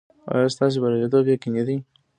ایا ستاسو بریالیتوب یقیني دی؟